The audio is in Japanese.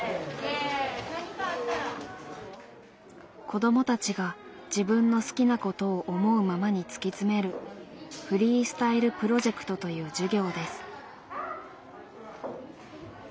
子どもたちが自分の好きなことを思うままに突き詰める「フリースタイルプロジェクト」という授業です。